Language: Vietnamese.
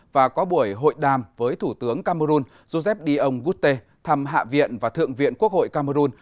và có buổi hội đàm với thủ tướng camerun josep dion gutte thăm hạ viện và thượng viện quốc hội camerun